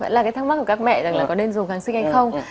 vậy là cái thắc mắc của các mẹ là có nên dùng kháng sinh hay không